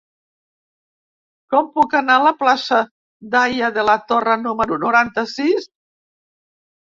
Com puc anar a la plaça d'Haya de la Torre número noranta-sis?